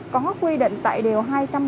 có quy định tại điều hai trăm bốn mươi